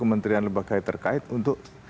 kementerian lembaga gaya terkait untuk